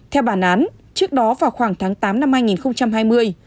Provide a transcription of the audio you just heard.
theo bản án trước đó vào khoảng tháng tám năm hai nghìn hai mươi